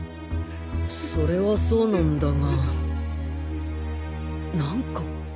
それはそうなんだが何かこう